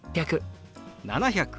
「７００」。